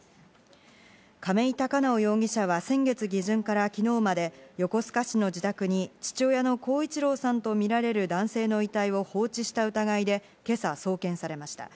亀井孝直容疑者は先月下旬から昨日まで横須賀市の自宅に父親の孝一郎さんとみられる男性の遺体を放置した疑いで今朝、送検されました。